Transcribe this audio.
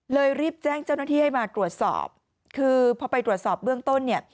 รีบแจ้งเจ้าหน้าที่ให้มาตรวจสอบคือพอไปตรวจสอบเบื้องต้นเนี่ย